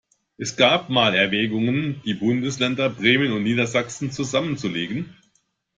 Es gab mal Erwägungen, die Bundesländer Bremen und Niedersachsen zusammenzulegen.